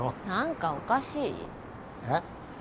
何かおかしい？えっ。